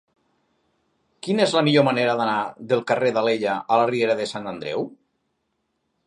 Quina és la millor manera d'anar del carrer d'Alella a la riera de Sant Andreu?